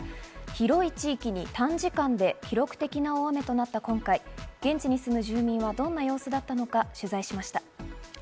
広い地域に短時間で記録的な大雨となった今回、現地に住む住民はどんな様子だったのか取材しました。